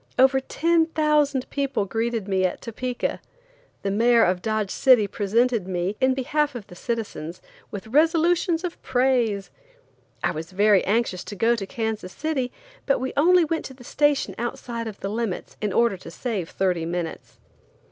Over ten thousand people greeted me at Topeka. The mayor of Dodge City presented me, in behalf of the citizens, with resolutions of praise. I was very anxious to go to Kansas City, but we only went to the station outside of the limits, in order to save thirty minutes.